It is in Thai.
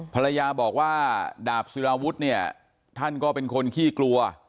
ภรรยาบอกว่าดาบศิลาวุฒิเนี่ยท่านก็เป็นคนขี้กลัว